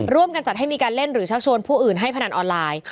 ร่วมกันจัดให้มีการเล่นหรือชักชวนผู้อื่นให้พนันออนไลน์